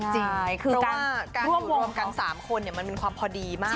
เพราะว่าการอยู่รวมกันทั้งสามคนมันมีความพอดีมาก